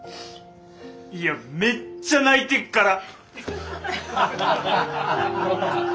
いやめっちゃ泣いてっから！